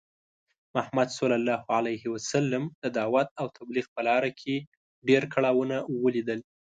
محمد ص د دعوت او تبلیغ په لاره کې ډی کړاوونه ولیدل .